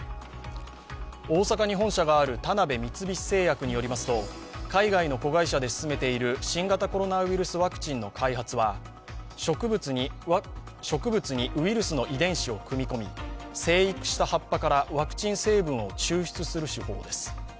大阪に本社がある田辺三菱製薬によりますと海外の子会社で進めている新型コロナウイルスワクチンの開発は、植物にウイルスの遺伝子を組み込み生育した葉からワクチン成分を抽出する手法です。